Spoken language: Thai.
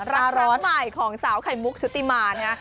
รักน้องใหม่ของสาวไข่มุกชุติมานะฮะ